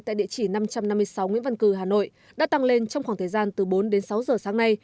tại địa chỉ năm trăm năm mươi sáu nguyễn văn cử hà nội đã tăng lên trong khoảng thời gian từ bốn đến sáu giờ sáng nay